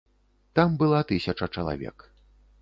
Там была тысяча чалавек.